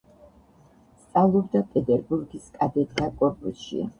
სწავლობდა პეტერბურგის კადეტთა კორპუსში.